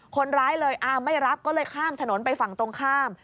คนร้ายเลยอ้าวไม่รับก็เลยข้ามถนนไปฝั่งตรงข้าม